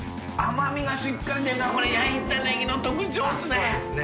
徒しっかり出るのはこれ焼いたネギの特徴ですね。